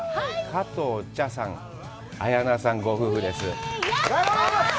加藤茶さん、綾菜さんご夫婦です。